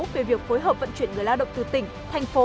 về việc phối hợp vận chuyển người lao động từ tỉnh thành phố